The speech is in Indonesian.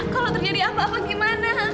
kalau terjadi apa apa gimana